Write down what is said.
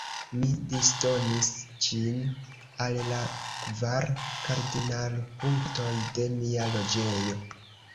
Mi disdonis ĝin al la kvar kardinalpunktoj de mia loĝejo.